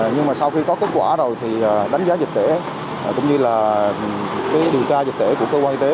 nhưng mà sau khi có kết quả rồi thì đánh giá dịch tễ cũng như là cái điều tra dịch tễ của cơ quan y tế